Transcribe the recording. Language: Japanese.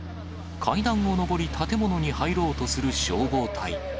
階段を上り、建物の中に入ろうとする消防隊。